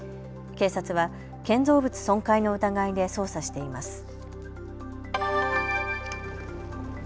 警察は建造物損壊の疑いで捜査しています。